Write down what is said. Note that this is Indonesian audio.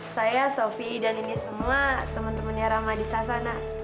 saya sofi dan ini semua temen temennya ramah di sasana